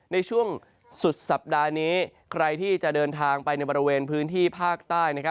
ในช่วงสุดสัปดาห์นี้ใครที่จะเดินทางไปในบริเวณพื้นที่ภาคใต้